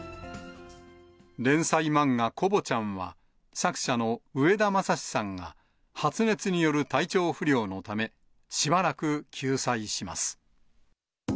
連載漫画、コボちゃんは、作者の植田まさしさんが発熱による体調不良のため、しばらく休載します。